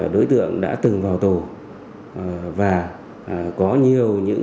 đối tượng đã từng vào tù